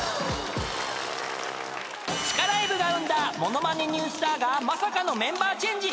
［地下ライブが生んだモノマネニュースターがまさかのメンバーチェンジ！？］